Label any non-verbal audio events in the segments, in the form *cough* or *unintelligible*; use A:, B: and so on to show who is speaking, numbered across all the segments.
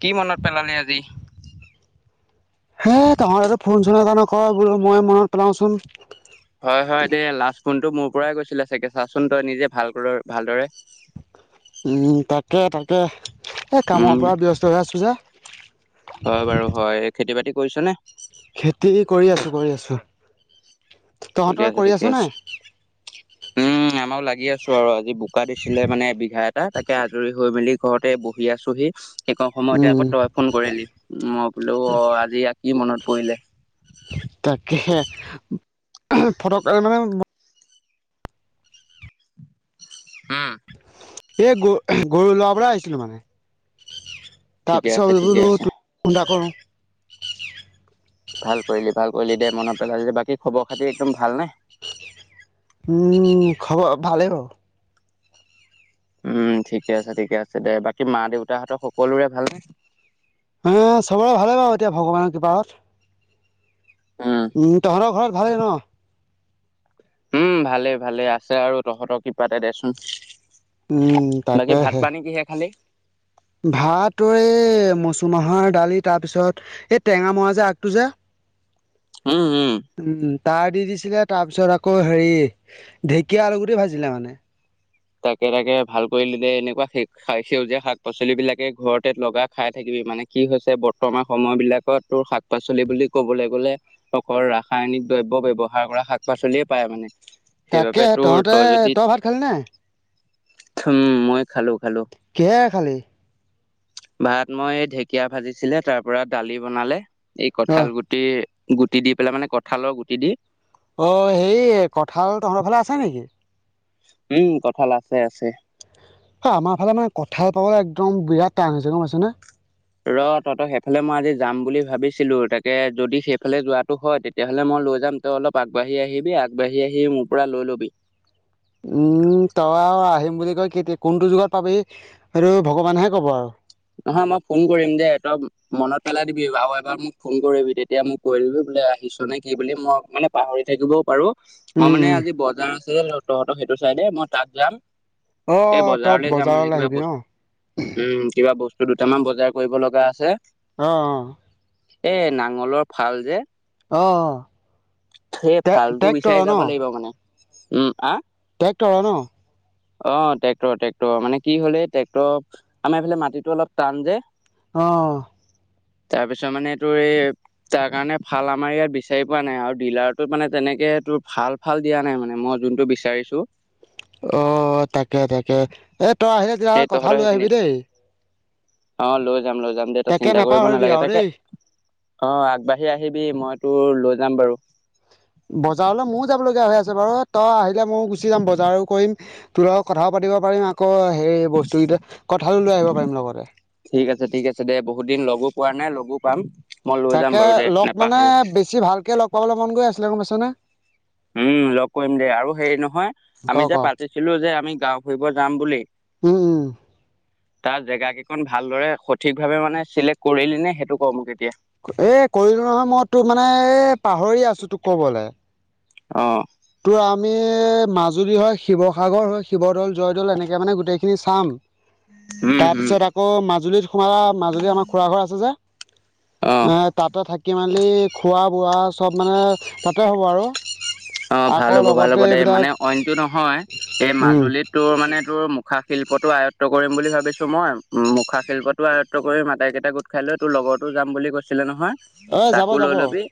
A: কি মনত পেলালে আজি?
B: হে তহঁতে তো ফোন চুন এতা নকৰ বোলো মই মনত পেলাওচোন।
A: হয় হয় এ লাষ্ট ফোনটো মোৰ পৰাই গৈছিলে চাগে চাচোন তই নিজে ভাল ভালদৰে।
B: উম তাকে তাকে এই
A: উম
B: কামৰ পৰা ব্যস্ত হৈ আছোঁ যে
A: হয় বাৰু হয় খেতি বাতি কৰিছ নে
B: খেতি কৰি আছোঁ কৰি আছোঁ
A: ঠিকে
B: তহঁতৰ
A: আছে
B: কৰি আছ
A: ঠিকে
B: নাই
A: আছে, উম আমাৰ লাগি আছো আৰু আজি ব বোকা দিছিলে মানে বিঘা এটা, তাকে আজৰি হৈ মেলি ঘৰতে বহি আছোহি। সেইকণ সময়তে আকৌ তই ফোন কৰিলি, মই বোলো অ আজি কি মনত পৰিলে?
B: তাকেহে *unintelligible* ফৰক মানে
A: উম
B: এ গৰু গৰু লৰাবলে আহিছিলো মানে।
A: ঠিকে আছে
B: তাৰপিছত
A: ঠিকে
B: বোলো
A: আছে
B: ফন এতা কৰো।
A: ভাল কৰিলি ভাল কৰিলি দে মনত পেলালি বাকী খবৰ খাতি একদম ভাল নাই।
B: উম খবৰ ভালে আৰু - -
A: উম ঠিকে আছে ঠিকে আছে দে বাকী মা দেউতাহঁতৰ সকলোৰে ভাল নে?
B: হ চবৰে ভালে বাৰু এতিয়া ভগৱানৰ কৃপাত। উম তহঁৰ ঘৰত ভালেই ন?
A: উম ভালে ভালে আছে আৰু তহঁতৰ কৃপাত এ দেচোন।
B: উম
A: বাকী ভাত পানী কিহে খালী?
B: ভাতৰ এই মচুমাহৰ দালি তাৰ পিছত এই টেঙা মৰা যে আগটো যে উম। তাৰ দি দিছিলে তাৰ পিছত আকৌ হেৰি ঢেঁকীয়া আলু গুটি ভাজিলে মানে।
A: তাকে তাকে ভাল কৰিলি দে এনেকুৱা সেউজীয়া শাক পাচলি বিলাক ঘৰতে লগাই খাই থাকিবি। মানে কি হৈছে বৰ্তমান সময় বিলাকত তোৰ শাক পাচলি বুলি ক'বলৈ গলে অকল ৰাসায়নিক দ্ৰব্য ব্যৱহাৰ কৰা শাক পাচলিয়ে পায় মানে। সেইবাবে
B: তাকেহে
A: তোৰ
B: তহঁতে
A: যদি
B: তই ভাত খালি নাই?
A: উম মই খালো। খালো
B: কি খালি?
A: ভাত মই এই ঢেকীয়া ভাজিছিলে তাৰপৰা দালি বনালে এই
B: অ
A: কঁঠাল গুটিৰ গুটি দি পেলাই মানে কঁঠালৰ গুটি দি
B: অ সেই কঁঠাল তহঁতৰ ফালে আছে নেকি?
A: উম কঁঠাল আছে আছে।
B: হ আমাৰ ফালে মানে কঁঠাল পাবলে একদম বিৰাট টান হৈছে, গম পাইছে নে?
A: ৰ তহঁত সেইফালে মই আজি যাম বুলি ভাবিছিলো, তাকে যদি সেইফালে যোৱাটো হয় তেতিয়াহলে মই লৈ যাম তই অলপ আগবাঢ়ি আহিবি আগবাঢ়ি আহি মোৰ পৰা লৈ লবি।
B: উম তই আও আহিম বুলি কৈ কেতিয়া কোনটো যুগত পাবিহি সেইটো ভগৱানেহে কব আৰু।
A: নহয় মই ফোন কৰিম দে, তই মনত পেলাই দিবি আৰু এবাৰ মোক ফোন কৰিবি তেতিয়া মোক কৈ দিবি দে আহিছ নে কি বুলি মই মানে পাহৰি থাকিবও পাৰো। মই
B: উম
A: মানে
B: উম
A: আজি বজাৰ আছে তহঁতৰ সেইটো চাইডে মই তাত যাম।
B: অ
A: এই
B: তই
A: বজাৰলে যাম মানে
B: বজাৰলৈ
A: কিবা
B: আহিবি ন?
A: বস্তু উম। কিবা বস্তু দুটামান বজাৰ কৰিব লগা আছে।
B: অ অ।
A: এ নাঙলৰ ফাল যে
B: অ অ
A: সেই ফালটো
B: ট্ৰেক্টৰ
A: বিচাৰি যাব লাগিব মানে, উম আ?
B: টেক্টৰৰ ন?
A: অ ট্ৰেকটৰ ট্ৰেক্টৰ মানে কি হল এই ট্ৰেক্টৰ আমাৰ এইফালে মাটিটো অলপ টান যে।
B: অঁহ।
A: তাৰপিছত মানে এইটো এই তাৰকাৰণে ফাল আমাৰ ইয়াত বিচাৰি পোৱা নাই আৰু ডিলাৰটো মানে তেনেক তেনেকে তোৰ ভাল ভাল দিয়া নাই মানে মই যোনটো বিচাৰিছো।
B: অ তাকে তাকে এ তই আহিলে তেতিয়া
A: সেই
B: হলে কঁঠাল
A: তহঁতৰ
B: লৈ আহিবি
A: সেইখিনিত
B: দেই।
A: অ লৈ লৈ যায় লৈ যাম দে তই
B: তাকে
A: চিন্তা কৰিব
B: নাপাহৰিবি
A: নালাগে
B: আৰু
A: তাকে
B: দেই
A: অ আগবাঢ়ি আহিবি মই তোৰ লৈ য যাম বাৰু
B: বজাৰলৈ ময়ো যাব লগগীয়া হৈ আছে বাৰু তই আহিলে ময়ো গুচি যাম বজাৰো কৰিম তোৰ লগত কথা পাতি, দিব পাৰিম আকৌ সেই বস্তু কেইটা কঠালো লৈ আহিব পাৰিম লগতে,
A: ঠিক আছে ঠিক আছে দে বহুত দিন লগো পোৱা নাই লগো পাম মই লৈ যাম
B: তাকে
A: বাৰু দে
B: লগ মানে
A: নেপাহৰো
B: বেছি ভালকে লগ পাবলৈ মন গৈ আছিলে গম পাইছেনে।
A: উম লগ কৰিম দেই আৰু হেৰি নহয়
B: ক
A: আমি
B: ক
A: যে পাতিছিলো যে আমি গাওঁ ফুৰিব যাম বুলি।
B: উম উম,
A: তাৰ জেগা কেইখন ভালদৰে সঠিক ভাৱে মানে চিলেক্ট কৰিলি নে সেইটো ক মোক এতিয়া।
B: এ কৰিলো নহয় মই তোৰ মানে এ পাহৰি আছো তোক কবলে।
A: অ
B: তোৰ আমি মাজুলী হয় শিৱসাগৰ হয় শিৱদ'ল জয়দৌল এনেকে মানে গোটেইখিনি চাম,
A: উম
B: তাৰ
A: হুম
B: পিছত আকৌ মাজুলীত সোমোৱা মাজুলী আমাৰ খুৰা ঘৰ আছে যে।
A: অ
B: এ টাটা থাকি মান। এলি খোৱা বোৱা চব মানে তাতে হ'ব আৰু
A: অ ভাল
B: আকৌ
A: হ'ব ভাল
B: লগতে
A: হ'ব দেই
B: এইবিলাক
A: মানে অইনতটো নহয় এই
B: উম
A: মাজুলীত তোৰ মানে তোৰ। মুখা শিল্পটো আয়ত্ব কৰিম বুলি ভাবিছো মই উ মুখা শিল্পতটো আয়ত্ব কৰিম আটাইকেইটা গোট খাই লৈ তোৰ লগ ঘৰতো যাম বুলি কৈছিলে নহয়।
B: অ যাব
A: তাকো লৈ
B: যাব অ
A: লবি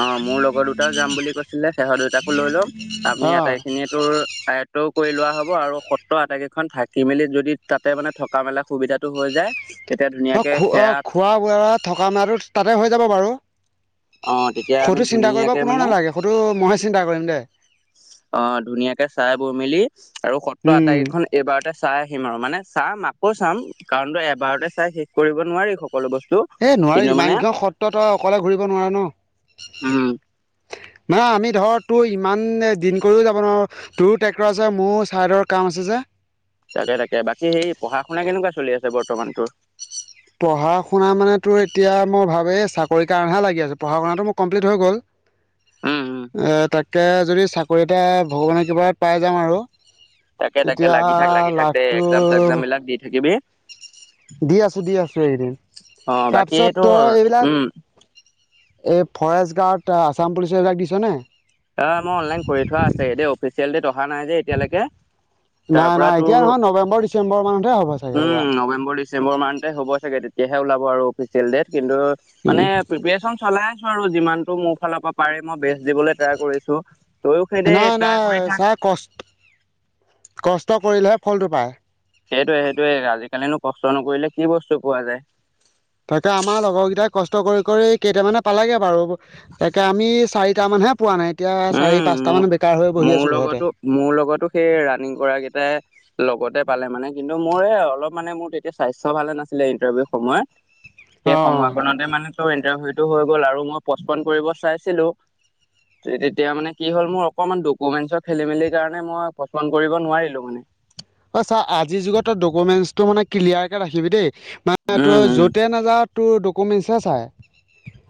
A: অ মোৰ লগৰ দুটাও যাম বুলি কৈছিলে। সিহত দুইটাকো লৈ লম আপুনি আটাই খিনিয় তোৰ এ সতও কৰি লোৱা হ'ব আৰু সত্ৰ আটাইকেইখন থাকি মেলি যদি তাতে মানে থকা মেলা সুবিধাটো হৈ যায়। তেতিয়া
B: অ
A: ধুনীয়াকে
B: খ অ
A: সেয়া
B: খোৱা বোৱা থকা মানটো তাতে হৈ যাব বাৰু
A: অ তেতিয়া আমি
B: সেইটো চিন্তা কৰিব
A: ধুনীয়াকে
B: কোননেো
A: মানে
B: নালাগে সেইটো মইয়ে চিন্তা কৰিম দেই
A: অ ধুনীয়াকে চাই বৈ মেলি আৰু সত্ৰ
B: উম
A: আটাইকেইখন এইবাৰতে চাই আহিম আৰু মানে চাম আকৌ চাম কাৰণ ত এবাৰতে চাই শেষ কৰিব নোৱাৰি সকলো বস্তু
B: এ নোৱাৰি
A: কিন্তু মানে
B: ইমানকিখন সত্ৰ তই অকলে ঘূৰিব নোৱাৰা ন
A: উম
B: মানে আমি ধৰ তোৰ ইমান দিন কৰিও যাব নোৱাৰো তোৰো ট্ৰেক্টৰ আছে মোৰ ছাইডৰ কাৰণ আছে যে
A: তাকে তাকে বাকী সেই পঢ়া শুনা কেনেকুৱা চলি আছে বৰ্তমান তোৰ
B: পঢ়া শুনা মানে তো এতিয়া মই ভাবেই চাকৰিৰ কাৰণেহে লাগি আছ পঢ়া শুনাটো মোৰ কমপ্লিট হৈ গ'ল
A: উম উম
B: এ তাকে যদি চাকৰি এটা ভগৱানে কিবা পাই যাওঁ আৰু
A: তাকে তাকে
B: তেতিয়া
A: লাগি থাক লাগি থাক দে
B: লাকটো
A: এক্জাম চেগজাম বিলাক দি থাকিবি
B: দি আছো দি আছো এইদিন
A: অ বাকী
B: তাৰপিছত
A: তোৰ
B: তই এইবিলাক
A: উম
B: এই ফৰেষ্ট গাৰ্ড আছাম পুলিচ এই বিলাক দিছনে
A: অ মই অনলাইন কৰি থোৱা আছে এই দে অফিচিয়েল ডট নাই যে এতিয়ালেকে তাৰ
B: নাই
A: পৰা
B: নাই এতিয়া
A: তোৰ
B: নহয় নৱেম্বৰ ডিচেম্বৰ মানতহে হ'ব চাগে
A: উম
B: সেয়া
A: নৱেম্বৰ ডিচেম্বৰ মানতে হ'ব চাগে তেতিয়াহে ওলাব আৰু অফিচিয়েল ডেট কিন্তু মানে প্ৰিপৰেচন চলাই আছো আৰু যিমানটো মোৰ ফালৰ পৰা পাৰে মই বে দিবলৈ ট্ৰাই কৰিছো তইয়ো
B: নাই
A: সেই
B: নাই
A: ট্ৰাই কৰি থাক
B: ছাৰ কষ্ট কষ্ট কৰিলেহে ফলটো পায়
A: সেইটোয়ে সেইটোয়ে আজিকালিনো কষ্ট নকৰিলে কি বস্তু পোৱা যায়
B: তাকে আমাৰ লগৰ কেইটাক কষ্ট কৰি কৰি কেইটামানে পালোগে বাৰু তাকে আমি চাৰিটা মানে হে পোৱা নাই এতিয়া চাৰি
A: উম
B: পাঁচটা মান
A: মোৰ
B: বেকাৰ হৈ বহি
A: মোৰ
B: আছো ঘৰতে।
A: লগতো মোৰ লগতো সেই ৰানিং কৰা কেইটাই লগতে পালে মানে কিন্তু মোৰ অলপ মানে মোৰ তেতিয়া স্বাস্থ্য ভালে নাছিলে ইণ্টাৰভিউৰ সময়ত সেই
B: অ'।
A: সময়কনতে মানে তোৰ ইটাৰভি টো হৈ গ'ল আৰু, মই পচপন কৰিব চাইছিলো তেতিয়া মানে কি হ'ল মোৰ অকমান ডকুমেন্টৰ খেলি মেলি কাৰণে মই পচন্দ কৰিব নোৱাৰিলো মানে।
B: অ চা আজিৰ যুগত তই ডকুমেন্টচটো মানে ক্লিয়াৰকে ৰাখিবি দেই। মানে
A: উম
B: তই
A: উম
B: যতে নাযাৱ তোৰ ডকুমেন্টছহে চাই।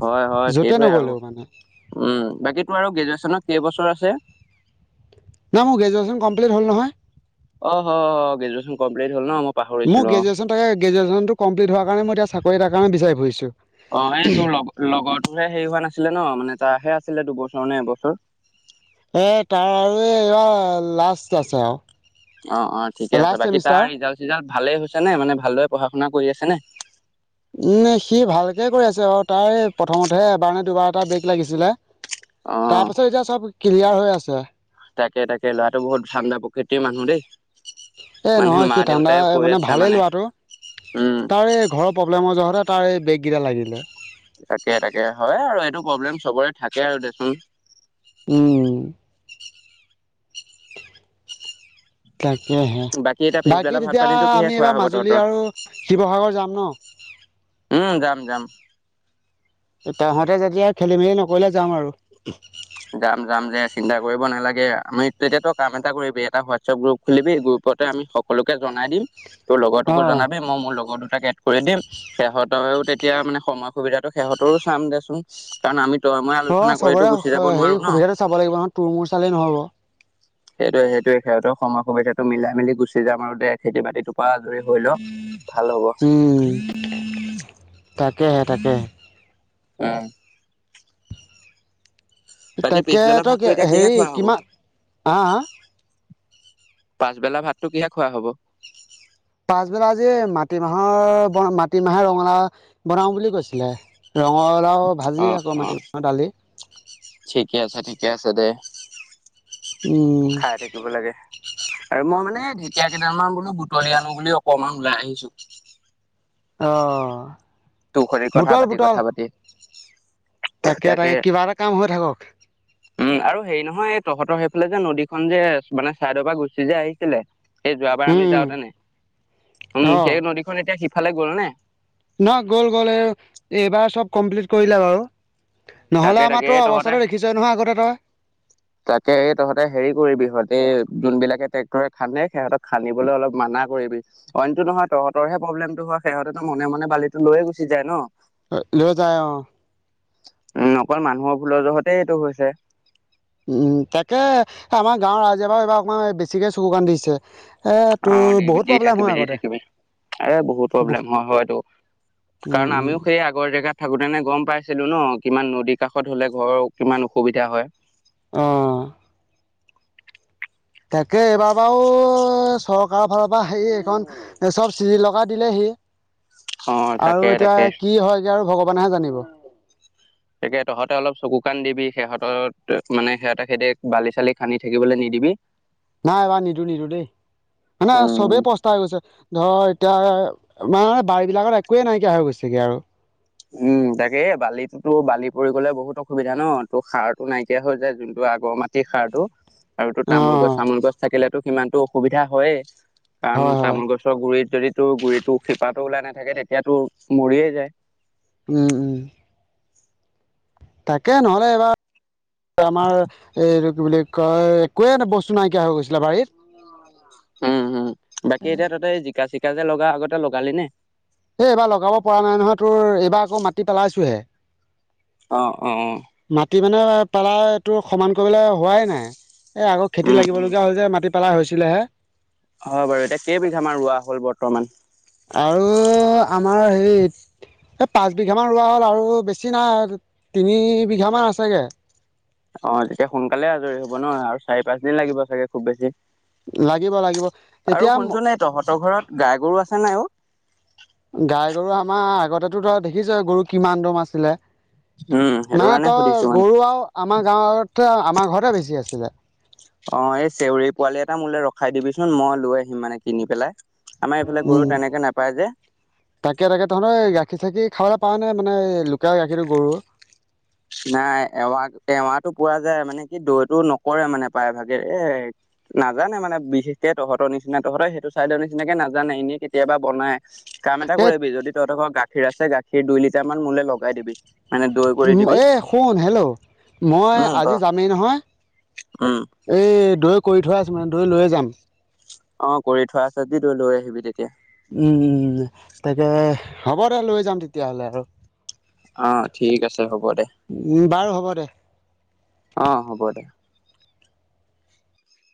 A: হয় হয়
B: য'তে
A: সেইটোয়ে আৰু,
B: নগ'লেও মানে।
A: উম বাকী আৰু গ্ৰেজুৱেচনত কেইবছৰ আছে?
B: নাই মোৰ গ্ৰেজুৱেশ্যন কমপ্লিট হ'ল নহয়।
A: অহ গ্ৰেজুুৱচন কমপ্লিট হল ন ম
B: মোৰ গ্ৰেুৱেচন তাকে গ্ৰেজুৱেশ্যনটো কমপ্লিট হোৱাৰ কাৰণে মই এতিয়া চাকৰি এটাৰ কাৰনে বিচাৰি ফুৰিছো।
A: অ এই তোৰ লগ লগৰ তোৰহে হেৰি হোৱা নাছিলে ন মানে তাৰহে আছিলে দুবছৰ নে এবছৰ?
B: এ তাৰ আৰু এইবাৰ লাষ্ট আছে আও।
A: অ অ ঠিকে আছে বাকী তাৰ ৰিজাল চিজাল ভালে হৈছে নে মানে ভালদৰে পঢ়া শুনা কৰি আছে নে
B: উ সি ভালকে কৰি আছে বাৰ তাই প্ৰথমতেহে এবাৰ নে দুবাৰ এটা ব্ৰেক লাগিছিলে
A: অ
B: তাৰ পিছত এতিয়া চব ক্লিয়াৰ হৈ আছে।
A: তাকে তাকে ল'ৰাটো বহুত ঠাণ্ডা প্ৰকৃতিৰ মানুহ দেই।
B: এই
A: মানে
B: নহয়
A: মা
B: সি ঠাণ্ডা
A: দেউতাই কৈ
B: মানে
A: আছে
B: ভালেই লোৱাটো।
A: উম
B: তাৰ এই ঘৰৰ প্ৰব্লেমৰ যহতে তাৰ এই বেগ কেইটা লাগিলে।
A: তাকে তাকে হয় আৰু এইটো প্ৰব্লেম চবৰে থাকে আৰু দেচোন।
B: ও' তাকেহে
A: বাকী এতিয়া পিছবেলা
B: বাকী
A: ভাত
B: তেতিয়া
A: পানীটো কিহে
B: আমি
A: খোৱা
B: এইবাৰ
A: হ'ব
B: মাজুলী
A: তহঁতৰ
B: আৰু শিৱসাগৰ যাম ন-া উ *unintelligible*
A: উম যাম যাম।
B: তহঁতে যেতিয়া খেলি মেলি নকৰিলে যাওঁ আৰু।
A: যাম যাম যে চিন্তা কৰিব নালাগে, আমি তেতিয়া তই কাম এটা কৰিবি এটা হোৱাটছএপ গ্ৰুপ খুলিবি গ্ৰুপ তে আমি সকলোকে জনাই দিম তোৰ লগৰটোকো
B: অ'।
A: জনাবি মই মোৰ লগৰ দুটাকে কৰি দিম, সিহঁতৰও তেতিয়া মানে সময় সুবিধাটো সিহঁতৰো চাম দেচোন কাৰণ আমি ত তই মই আলোচনা কৰিটো গুছি
B: হয় সেই সুবিধাটো চাব লাগিব নহয়, তোৰ মোৰ চালেই নহ'ব।
A: সেইটোৱে সেইটোয়ে সিহঁতৰ সময় সময় সুবিধাতো মিলাই মিলি গুচি যাম আৰু দে খেতি বাতিটোৰ পৰা আজৰি হৈ ল।
B: উম তাকেহে তাকেহে।
A: উম বাকী
B: তাকে
A: পিছবেলা
B: তই
A: ভাতটো এতিয়া কিহে
B: হেৰি
A: খোৱা হ'ব?
B: কিমান হা হা?
A: পাছবেলা ভাতটো কিহে খোৱা হ'ব?
B: পাছবেলা আজি মাটিমাহৰ বনা মাটিমাহে ৰঙালাও বনাও বুলি কৈছিলে। ৰঙালাও ভাজি
A: অ',
B: আকৌ
A: অ',
B: মাটি মাহৰ দালি।
A: ঠিকে আছে ঠিকে আছে দে
B: উম
A: খাই থাকিব লাগে, আৰু মই মানে ঢেকীয়া কেই দাল মান বোলো বুটলি আনো বুলি অকমান ওলাই আহিছো।
B: অ'
A: তোৰ সতে কথা
B: বুটল
A: পাতি
B: বুটল
A: কথা পাতি
B: তাকে তাকে কিবা এটা কাম হৈ থাকক।
A: উম আৰু হেৰি নহয় এ তহতৰ সেইফালে যে নদীখন যে মানে ছাইডৰ পৰা গুচি যে আহিছিলে সেই যোৱাবাৰ আমি
B: উম উম
A: যাওঁতেনে উম সেই নদীখন এতিয়া সিফালে গল নে
B: নহ গ'ল গ'ল এই এইবাৰ চব কমপ্লিট কৰিলে বাৰু।
A: তাকে
B: নহ'লে
A: তাকে
B: আমাৰতো
A: এই তহঁতে
B: অৱস্থাটো দেখিছই নহয় আগতে তই।
A: তাকে এই তহঁতে হেৰি কৰিবি হঁতে এই যোনবিলাক ট্ৰেক্টৰে খান্দে, সিহঁতক খান্দিবলৈ অলপ মানা কৰিবি। অইনটো নহয় তহঁতৰহে প্ৰব্লেমটো হয়। সিহঁতেতো মনে মনে বালিটো লৈয়ে গুচি যায় ন।
B: লৈ যায় অঁ।
A: উম অকল মানুহৰ ভুলৰ জহতে এইটো হৈছে।
B: উম তাকে আমাৰ গাঁৱৰ ৰাইজে বাৰু এইবাৰ অকমান বেছিকে চকু কাণ দিছে। এ
A: অ
B: তোৰ
A: দি
B: বহুত
A: দি
B: প্ৰব্লেম
A: থাকিবি
B: হয়
A: দি
B: আগতে
A: থাকিবি এ বহুত
B: উম
A: প্ৰব্লেম হয় হয়টো। কাৰণ
B: উম
A: আমিও সেই আগৰ জেগাত থাকোতেনে গম পাইছিলো ন কিমান নদীৰ কাষত হলে ঘৰৰ কিমান অসুবিধা হয়।
B: অঁ। তাকে এইবাৰ বাৰু চৰকাৰৰ ফালৰ পৰা সেই এইখন চব চিৰি লগাই দিলেহি
A: অ তাকে
B: আৰু
A: তাকে
B: এতিয়া কি হয় গে আৰু ভগৱানেহে জানিব।
A: তাকে তহঁতে অলপ চকু কাণ দিবি সিহঁতৰ মানে সিহঁতে সেতে বালি চালি খান্দি থাকিবলৈ নিদিবি।
B: নাই এইবাৰ নিদো নিদো দেই, মানে
A: উম
B: চবেই পস্তাই গৈছে। ধৰ এতিয়া মানে বাৰী বিলাকত একোৱে নাইকিয়া হৈ গৈছেগে আৰু।
A: উম তাকে এ বালিতো বালি পৰি গ'লে বহুত অসুবিধা ন তো সাৰটো নাইকিয়া হৈ যায়। যোনটো আগৰ মাটিৰ সাৰটো আৰু তোৰ তামোল গছ
B: অঁ
A: চামোল গছ থাকিলেতো সিমানতো অসুবিধা হয়েই, কাৰণ
B: হয় হয়
A: তামোল গছৰ গুৰিত যদি তোৰ গুৰিটো শিপাটো ওলাই নাথাকে তেতিয়া তোৰ মৰিয়ে যায়।
B: উম উম। তাকে নহ'লে এইবাৰ আমাৰ এই কি বুলি কয় একোৱে ন বস্তু নাইকিয়া হৈ গৈছিলে বাৰীত।
A: উম হু বাকী এতিয়া তহঁতে জিকা চিকা যে লগা আগতে লগালি নে?
B: এই এইবাৰ লগাব পৰা নাই নহয় তোৰ এইবাৰ আকৌ মাটি পেলাইছোহে।
A: অ অঁ।
B: মাটি মানে পাৰা এইটো সমান কৰিবলৈ হোৱাই নাই। এ আকৌ খেতিত
A: উম
B: লাগিব
A: উম।
B: লগীয়া হল যে মাটি পেলাই হৈছিলেহে।
A: হয় বাৰু এতিয়া কেইবিঘামান ৰোৱা হ'ল বৰ্তমান।
B: আৰু আমাৰ হেৰি এই পাঁচ বিঘামান ৰোৱা হ'ল আৰু বেছি নাই তিনি বিঘামান আছেগে।
A: অ তেতিয়া সোনকালে আজৰি হব ন আৰু চাৰি পাঁচ দিন লাগিব চাগে? খুব বেছি।
B: লাগিব লাগিব তেতিয়া
A: আৰু শুনচোন এই তহঁতৰ ঘৰত গাই গৰু আছেন নাই অ?
B: গাই গৰু আমাৰ আগতেতো ধৰা দেখিছই গৰু কিমান দম আছিলে।
A: উম সেইটো
B: মানে
A: কাৰণে
B: তই
A: সুধিছো মানে।
B: গৰু আৰু আমাৰ গাঁৱতে আমাৰ ঘৰতে বেছি আছিলে।
A: অ এই চেউৰী পোৱালি এটা মোলে ৰখাই দিবিচোন মই লৈ আহিম মানে কিনি পেলাই। আমাৰ এইফালে গৰু
B: উম
A: তেনেকে নাপায় যে।
B: তাকে তাকে তহত এই গা - - - গাখীৰ চাখীৰ খাৱলৈ পাও নে মানে লুকেই গাখীৰটো গৰুৰ।
A: নাই এৱা এৱাটো পোৱা যায় মানে কি দৈটো নকৰে মানে প্ৰায় ভাগে এ নাজানে মানে বিশেষকে তহঁতৰ নিচিনা তহঁতৰ সেইটো ছাইডৰ নিচিনাকে নাজানে এনেই কেতিয়াবা বনাই। কাম এটা
B: এই
A: কৰিবি যদি তহঁতৰ ঘৰ গাখীৰ আছে গাখীৰ দুই লিটাৰ মান মোলে লগাই দিবি। মানে দৈ কৰি দিবি।
B: এই শুন হেল্ল' মই
A: উম ক
B: আজি যামেই নহয়
A: উম
B: এই দৈ কৰি থৈ দিয়া আছে মানে দৈ লৈ যাম।
A: অ কৰি থোৱা আছে যদি তই লৈ আহিবি তেতিয়া
B: উম উম তাকে হ'ব দে লৈ যাম তেতিয়াহ'লে আৰু।
A: অ ঠিক আছে হ'ব দে।
B: উম, বাৰু হ'ব দে।
A: অ হ'ব দে।